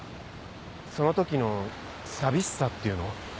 そのときの寂しさっていうの？